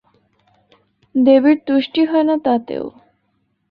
দেবীর তুষ্টি হয় না তাতেও।